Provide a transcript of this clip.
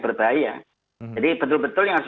berbahaya jadi betul betul yang